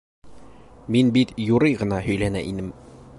Мин бит юрый ғына һөйләнә инем!